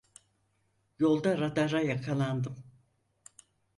Yolda radara yakalandım.